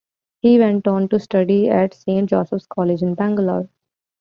He went on to study at Saint Joseph's college in Bangalore.